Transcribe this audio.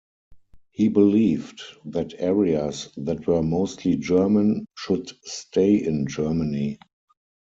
He believed that areas that were mostly German should stay in Germany.